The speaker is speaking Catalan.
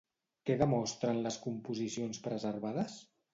Què demostren les composicions preservades?